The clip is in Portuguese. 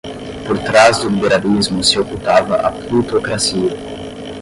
por trás do liberalismo se ocultava a plutocracia